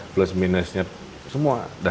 plus minusnya semua